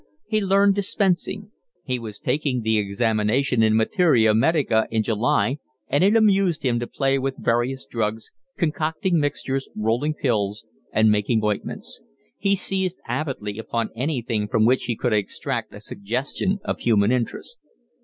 He learned dispensing. He was taking the examination in Materia Medica in July, and it amused him to play with various drugs, concocting mixtures, rolling pills, and making ointments. He seized avidly upon anything from which he could extract a suggestion of human interest.